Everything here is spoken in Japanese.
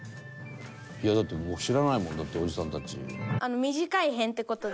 いやだって知らないもんおじさんたち。